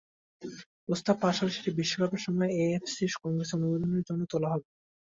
প্রস্তাব পাস হলে সেটি বিশ্বকাপের সময় এএফসির কংগ্রেসে অনুমোদনের জন্য তোলা হবে।